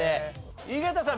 井桁さん